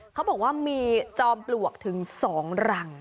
เขาบอกว่ามีจอมปลวกถึง๒รัง